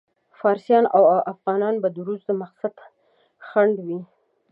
فارسیان او افغانان به د روس د مقصد خنډ وي.